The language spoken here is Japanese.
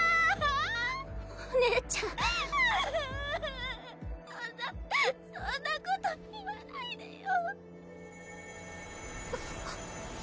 お姉ちゃんそんなそんなこと言わないでよ